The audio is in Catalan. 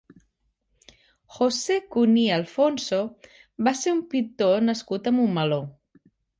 José Cuní Alfonso va ser un pintor nascut a Montmeló.